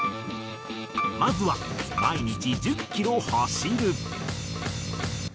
まずは毎日１０キロ走る。